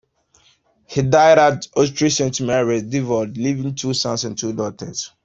He died at Ottery Saint Mary, Devon, leaving two sons and two daughters.